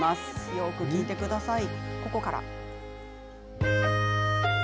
よく聴いてください。